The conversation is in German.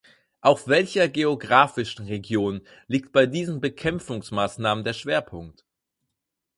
Auf welcher geografischen Region liegt bei diesen Bekämpfungsmaßnahmen der Schwerpunkt?